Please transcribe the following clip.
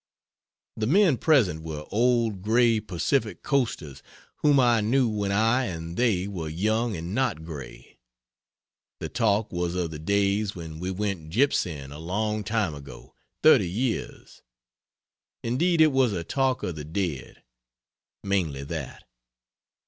The men present were old gray Pacific coasters whom I knew when I and they were young and not gray. The talk was of the days when we went gypsying a long time ago thirty years. Indeed it was a talk of the dead. Mainly that.